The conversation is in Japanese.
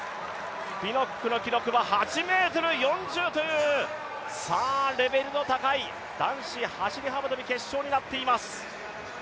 ピノックの記録は８ｍ４０というレベルの高い男子走幅跳決勝になっています。